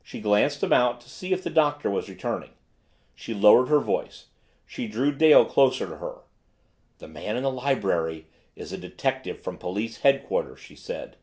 She glanced about to see if the Doctor was returning. She lowered her voice. She drew Dale closer to her. "The man in the library is a detective from police headquarters," she said.